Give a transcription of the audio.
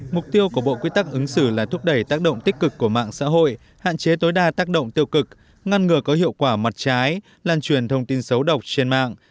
mục tiêu của bộ quy tắc ứng xử là thúc đẩy tác động tích cực của mạng xã hội hạn chế tối đa tác động tiêu cực ngăn ngừa có hiệu quả mặt trái lan truyền thông tin xấu độc trên mạng